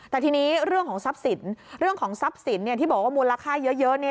แต่ทีนี้เรื่องของทรัพย์สินที่บอกว่ามูลค่าเยอะ